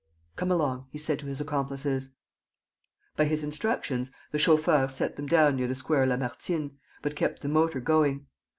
"Come along," he said to his accomplices. By his instructions, the chauffeur set them down near the Square Lamartine, but kept the motor going.